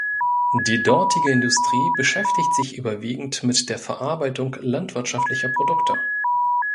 Die dortige Industrie beschäftigt sich überwiegend mit der Verarbeitung landwirtschaftlicher Produkte.